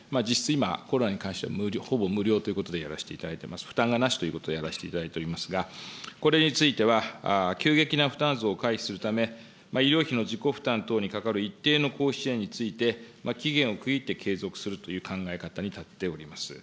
今、コロナに関してはほぼ無料ということでやらせていただいております、負担がなしということでやらせていただいておりますが、これについては急激な負担増を回避するため、医療費の自己負担にかかる一定の公費支援について、期限を区切って継続するという考え方に立っております。